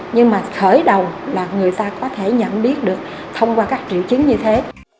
nhưng mà khởi đầu là người ta có thể nhận biết được thông qua các triệu chứng như thế